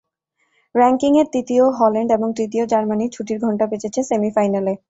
র্যা ঙ্কিংয়ের দ্বিতীয় হল্যান্ড এবং তৃতীয় জার্মানির ছুটির ঘণ্টা বেজেছে সেমিফাইনালে।